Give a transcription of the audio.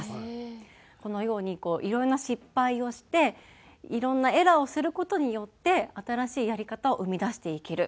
このようにいろいろな失敗をしていろんなエラーをする事によって新しいやり方を生み出していける。